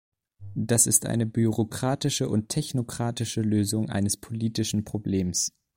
Das ist eine bürokratische und technokratische Lösung eines politischen Problems.